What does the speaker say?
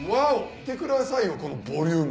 見てくださいよこのボリューム。